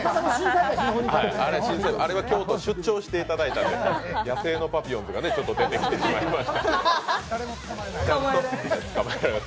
あれは京都に出張していただいたんで、野生のパピヨンズとか出てしまいました。